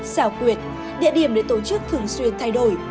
xảo quyệt địa điểm để tổ chức thường xuyên thay đổi